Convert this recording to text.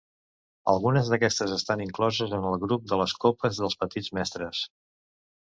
Algunes d'aquestes estan incloses en el grup de les copes dels petits mestres.